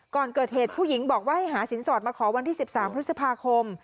ก่อนเกิดเหตุผู้หญิงบอกว่าให้หาสินสอดมาขอวันที่๑๓พฤษภาคม